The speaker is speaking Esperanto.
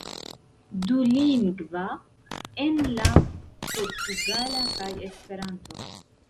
Dulingva, en la portugala kaj Esperanto.